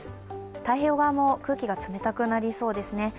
太平洋側も空気が冷たくなりそうですね。